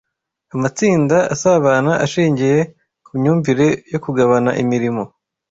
amatsinda asabana ashingiye kumyumvire yo kugabana imirimo